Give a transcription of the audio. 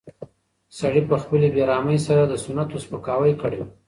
سړي په خپلې بې رحمۍ سره د سنتو سپکاوی کړی و.